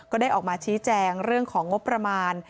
ก็ได้ออกมาชี้แจงเรื่องของงบประมาณ